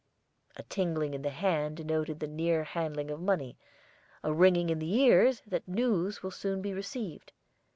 A tingling in the hand denoted the near handling of money, a ringing in the ears that news will soon be received.